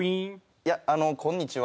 いやあのこんにちは。